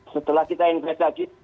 setelah kita investasi